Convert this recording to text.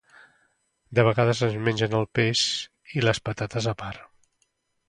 De vegades es mengen el peix i les patates a part.